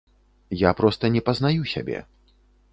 Я проста не пазнаю сябе.